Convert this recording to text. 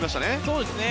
そうですね。